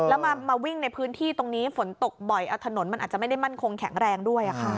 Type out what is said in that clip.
แล้วมาวิ่งในพื้นที่ตรงนี้ฝนตกบ่อยถนนมันอาจจะไม่ได้มั่นคงแข็งแรงด้วย